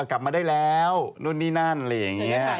กลับมาได้แล้วนู่นนี่นั่นอะไรอย่างนี้